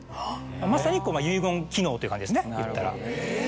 まさに遺言機能という感じですねいったら。